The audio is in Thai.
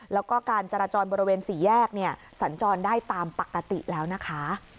แล้วก็การจราจรบริเวณสี่แยกสัญจรได้ตามปกติแล้วนะคะ